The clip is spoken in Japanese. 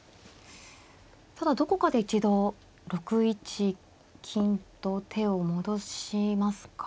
ただどこかで一度６一金と手を戻しますか。